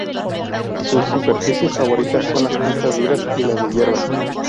Su superficies favoritas son las pistas duras y las de hierba.